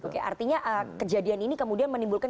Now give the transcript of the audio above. karena kejadian ini kemudian menimbulkan